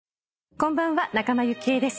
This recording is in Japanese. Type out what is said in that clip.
こんばんは仲間由紀恵です。